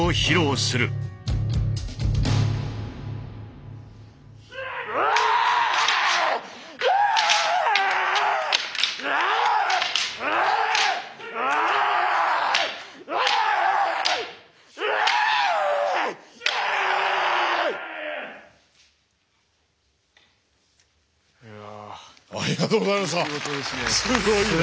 すごいな。